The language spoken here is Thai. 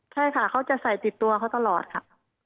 ใช่ค่ะเขาจะใส่ติดตัวเขาตลอดค่ะ